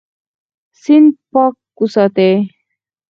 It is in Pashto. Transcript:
سیند پاک وساتئ.